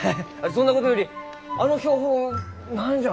そんなことよりあの標本何じゃ？